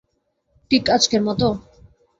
ঠিক আজকের মতো?